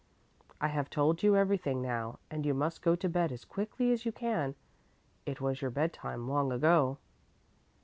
I have told you everything now and you must go to bed as quickly as you can. It was your bedtime long ago."